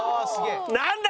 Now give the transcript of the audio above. なんだ？